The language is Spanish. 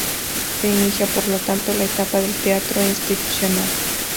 Se inicia, por lo tanto, la etapa del teatro institucional.